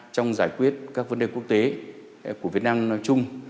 trong giải quyết các vấn đề quốc tế của việt nam nói chung